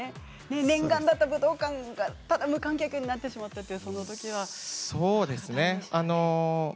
念願だった武道館が無観客になってしまったということですけれど。